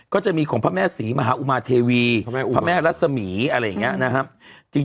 ก็จะมีของพระแม่ศรีมหาอุมาเทวีพระแม่รัศมีอะไรอย่างนี้นะครับ